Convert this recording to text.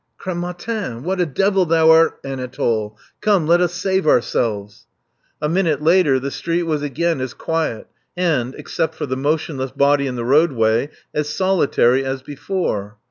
'* 'Cr^ matin! what a devil thou art, Anatole. Come : let us save ourselves. A minute later the street was again as quiet, and, except for the motionless body in the roadway, as solitary as before.